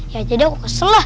ya jadi aku kesel lah